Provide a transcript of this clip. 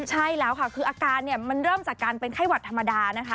ใช่แล้วค่ะคืออาการเนี่ยมันเริ่มจากการเป็นไข้หวัดธรรมดานะคะ